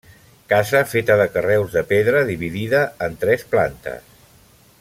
Casa feta de carreus de pedra, dividida en tres plantes.